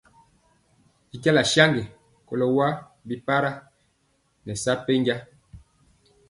Bɛnja saŋgi kɔlo waa bi para nɛ sa penja.